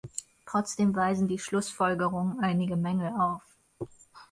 Trotzdem weisen die Schlussfolgerungen einige Mängel auf.